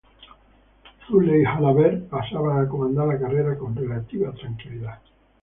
Zülle y Jalabert pasaban a comandar la carrera con relativa tranquilidad.